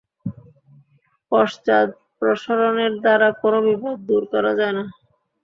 পশ্চাদপসরণের দ্বারা কোন বিপদ দূর করা যায় না।